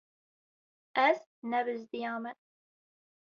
Ez nebizdiyame.